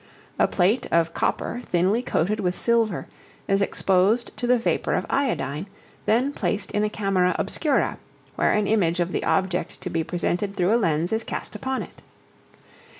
A plate of copper thinly coated with silver is exposed to the vapor of iodine, then placed in a camera obscura, where an image of the object to be presented through a lens is cast upon it.